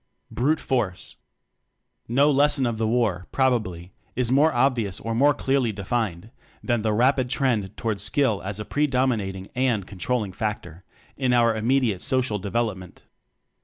Brute Force. No lesson of the war, probably, is more obvious or more clearly de fined than the rapid trend toward Skill as a predominating and con trolling factor in our immediate so cial development.